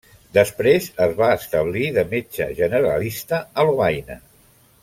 Després es va establir de metge generalista a Lovaina.